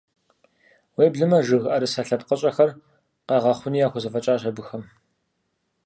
Уеблэмэ, жыг ӏэрысэ лъэпкъыщӏэхэр къагъэхъуни яхузэфӏэкӏащ абыхэм.